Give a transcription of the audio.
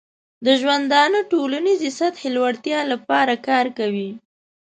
د ژوندانه ټولنیزې سطحې لوړتیا لپاره کار کوي.